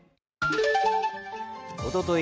おととい